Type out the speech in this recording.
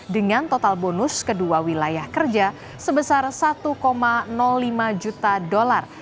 dengan total bonus kedua wilayah kerja sebesar satu lima juta dolar